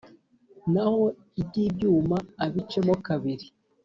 Naho iby`ibyuma abicemo kabiri.